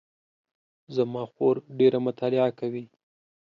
زما خور ډېره مطالعه کوي